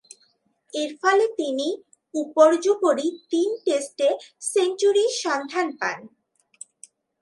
এরফলে তিনি উপর্যুপরি তিন টেস্টে সেঞ্চুরির সন্ধান পান।